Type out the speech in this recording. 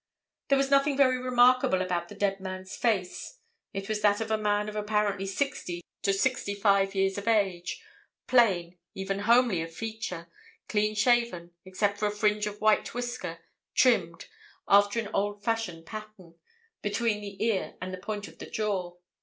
There was nothing very remarkable about the dead man's face. It was that of a man of apparently sixty to sixty five years of age; plain, even homely of feature, clean shaven, except for a fringe of white whisker, trimmed, after an old fashioned pattern, between the ear and the point of the jaw.